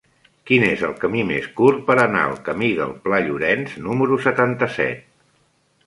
Quin és el camí més curt per anar al camí del Pla Llorenç número setanta-set?